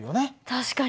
確かに。